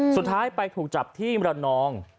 สุดท้ายไปถูกจับที่มรนอง